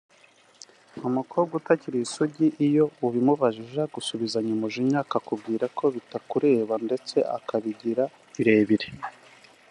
Umukobwa utakiri isugi iyo ubimubajije agusubizanya umujinya akakubwira ko bitakureba ndetse akabigira birebire